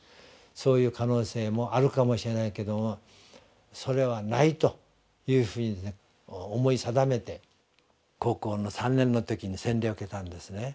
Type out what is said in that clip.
そういう可能性もあるかもしれないけどもそれはないというふうに思い定めて高校の３年の時に洗礼を受けたんですね。